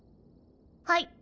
はい。